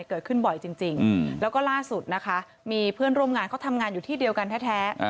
เกิดขึ้นบ่อยจริงแล้วก็ล่าสุดนะคะมีเพื่อนร่วมงานเขาทำงานอยู่ที่เดียวกันแท้